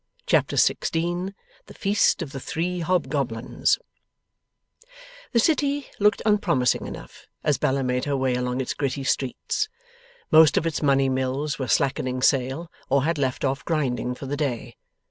Chapter 16 THE FEAST OF THE THREE HOBGOBLINS The City looked unpromising enough, as Bella made her way along its gritty streets. Most of its money mills were slackening sail, or had left off grinding for the day.